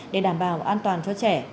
để đảm bảo an toàn cho trẻ